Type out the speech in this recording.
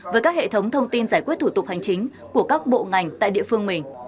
với các hệ thống thông tin giải quyết thủ tục hành chính của các bộ ngành tại địa phương mình